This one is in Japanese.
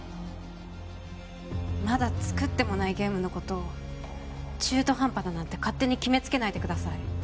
まだ作ってもないゲームのことを中途半端だなんて勝手に決めつけないでください